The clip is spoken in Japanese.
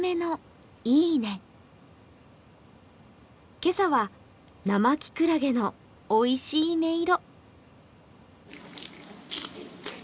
今朝は生きくらげのおいしい音色。